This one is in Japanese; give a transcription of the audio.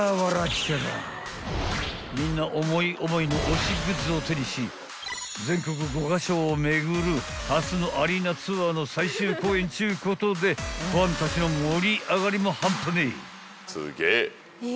［みんな思い思いの推しグッズを手にし全国５カ所を巡る初のアリーナツアーの最終公演ちゅうことでファンたちの盛り上がりも半端ねえ］